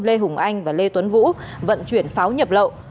lê hùng anh và lê tuấn vũ vận chuyển pháo nhập lậu